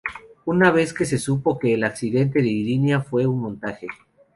Una vez que se supo que el accidente de Irina fue un montaje.